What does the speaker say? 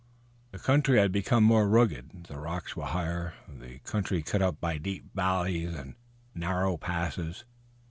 The country had become more rugged, the rocks were higher, the country cut up by deep valleys and narrow passes.